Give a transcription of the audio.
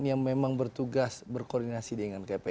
yang memang bertugas berkoordinasi dengan kpu